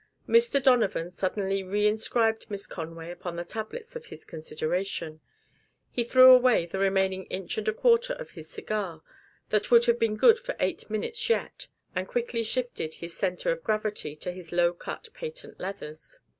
Mr. Donovan suddenly reinscribed Miss Conway upon the tablets of his consideration. He threw away the remaining inch and a quarter of his cigar, that would have been good for eight minutes yet, and quickly shifted his center of gravity to his low cut patent leathers.